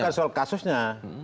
bukan soal kasusnya